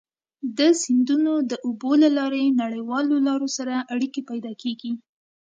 د سیندونو د اوبو له لارې نړیوالو لارو سره اړيکي پيدا کیږي.